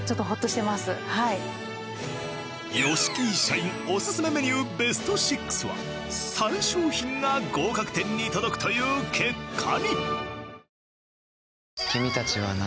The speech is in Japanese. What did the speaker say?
ヨシケイ社員オススメメニューベスト６は３商品が合格点に届くという結果に。